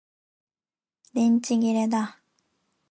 電池切れだ